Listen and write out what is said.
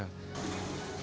saya anak bangsa indonesia